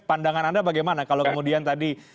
pandangan anda bagaimana kalau kemudian tadi